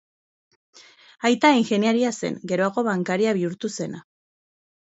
Aita ingeniaria zen, geroago bankaria bihurtu zena.